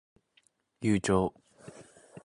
夕張